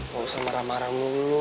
gak usah marah marah mulu